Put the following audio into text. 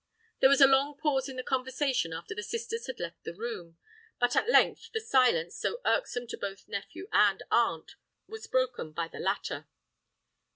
There was a long pause in the conversation after the sisters had left the room; but at length the silence, so irksome to both nephew and aunt, was broken by the latter.